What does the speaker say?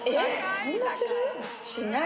そんなする？